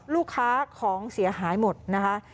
ลูกค้าของเสียหายหมดนะคะ